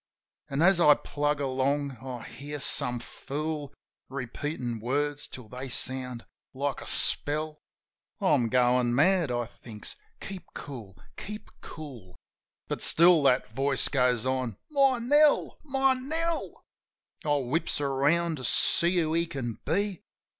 An', as I plug along, I hear some fool Repeatin' words till they sound like a spell. "I'm goin' mad," I thinks. "Keep cool ! Keep cool !" But still that voice goes on : "My Nell ! My Nell !" I whips round quick to see who he can be.